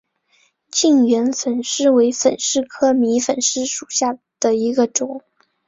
近圆粉虱为粉虱科迷粉虱属下的一个种。